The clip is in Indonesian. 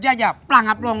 nasi kotaknya ntar malam